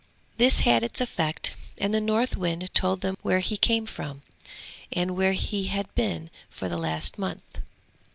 This had its effect, and the Northwind told them where he came from, and where he had been for the last month.